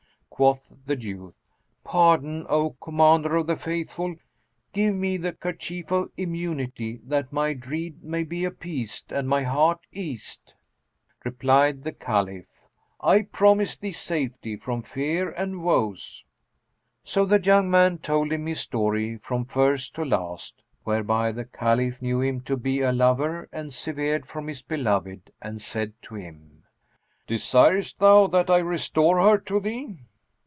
Quoth the youth, "Pardon, O Commander of the Faithful, give me the kerchief of immunity, that my dread may be appeased and my heart eased." Replied the Caliph, "I promise thee safety from fear and woes." So the young man told him his story from first to last, whereby the Caliph knew him to be a lover and severed from his beloved and said to him, "Desirest thou that I restore her to thee?"